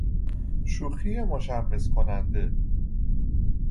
شوخی مشمئز کننده